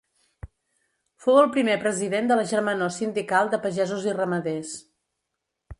Fou el primer president de la Germanor Sindical de Pagesos i Ramaders.